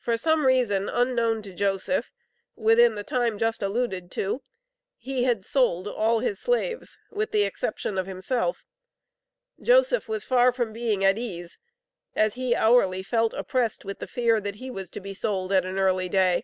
For some reason unknown to Joseph, within the time just alluded to, he had sold all his slaves, with the exception of himself. Joseph was far from being at ease, as he hourly felt oppressed with the fear that he was to be sold at an early day.